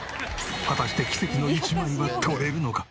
果たして奇跡の一枚は撮れるのか！？